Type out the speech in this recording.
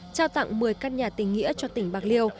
trao tặng một mươi căn nhà tình nghĩa cho tỉnh bạc liêu